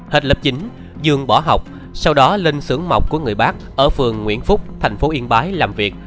hết lớp chín dương bỏ học sau đó lên xưởng mọc của người bác ở phường nguyễn phúc tp yên bái làm việc